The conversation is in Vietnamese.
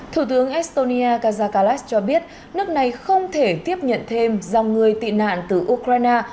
thủ tướng estonia kazakales cho biết nước này không thể tiếp nhận thêm dòng người tị nạn từ ukraine